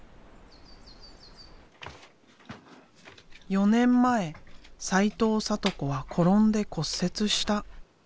４年前齊藤サト子は転んで骨折した。